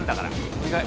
お願い